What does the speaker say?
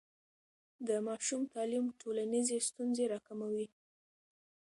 د ماشوم تعلیم ټولنیزې ستونزې راکموي.